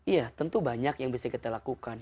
iya tentu banyak yang bisa kita lakukan